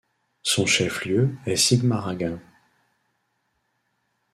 Son chef-lieu est Sigmaringen.